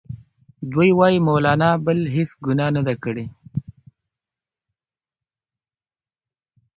دوی وايي مولنا بله هیڅ ګناه نه ده کړې.